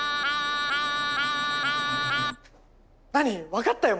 分かったよ